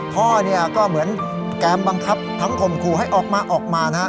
พ่อเนี่ยก็เหมือนแกมบังคับทั้งข่มขู่ให้ออกมาออกมานะฮะ